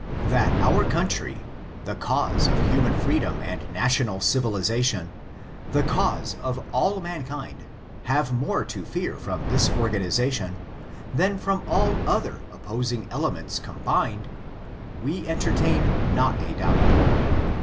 That our country, the cause of human freedom and national civilization, the cause of all mankind, have more to fear from this organization, than from all other opposmg elements combined, we entertain not a doubt.